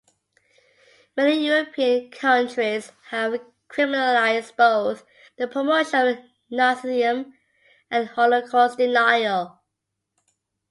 Many European countries have criminalised both the promotion of Nazism and Holocaust denial.